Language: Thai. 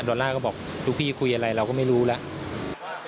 อลลาร์ก็บอกทุกพี่คุยอะไรเราก็ไม่รู้แล้ว